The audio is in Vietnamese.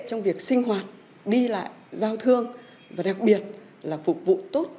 trong việc sinh hoạt đi lại giao thương và đặc biệt là phục vụ tốt